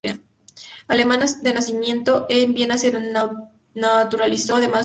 Alemana de nacimiento, en Viena se naturalizó además austriaca.